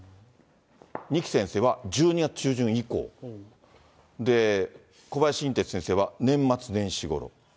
二木先生は１２月中旬以降、で、小林寅てつ先生は年末年始ごろ。